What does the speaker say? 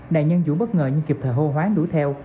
đại nhân vụ bất ngờ nhưng kịp thời hô hoán đuổi theo